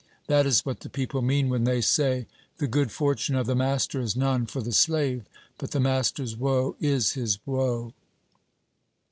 That is what the people mean when they say: The good fortune of the master is none for the slave, but the master's woe is his woe."